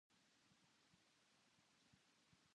ご飯が食べたい。